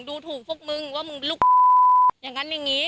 ดูถูกพวกมึงว่ามึงเป็นลูกอย่างนั้นอย่างนี้